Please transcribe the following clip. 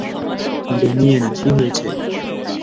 Damien, কী হয়েছে?